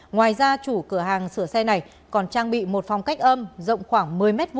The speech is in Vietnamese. ngoài ra chủ cửa hàng sửa xe này còn trang bị một phòng cách âm rộng khoảng một mươi m hai